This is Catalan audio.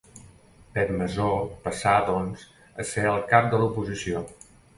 Pep Masó passa, doncs, a ser el cap de l'oposició.